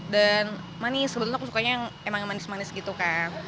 dan manis kebetulan aku sukanya yang emang manis manis gitu kan